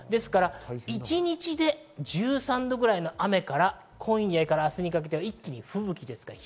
一日で１３度くらいの雨から、今夜から明日にかけては一気に吹雪ですから。